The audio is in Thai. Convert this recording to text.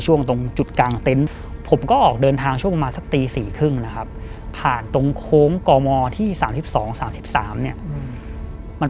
ช่วงตรงจุดกังเต้น